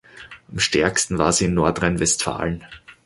Am stärksten war sie in Nordrhein-Westfalen.